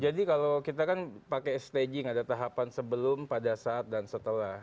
jadi kalau kita kan pakai staging ada tahapan sebelum pada saat dan setelah